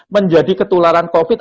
menjadi ketularan covid